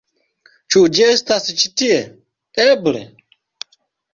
Ĉu ĝi estas ĉi tie? Eble?